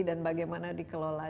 dan bagaimana dikelola